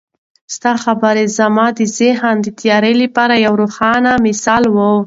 ستا خبرې زما د ذهن د تیارو لپاره یو روښانه مشال و.